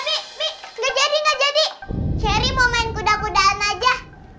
pasti sekarang dia lagi cari muka sama mama